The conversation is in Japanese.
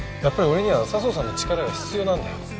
やっぱり俺には佐相さんの力が必要なんだよ。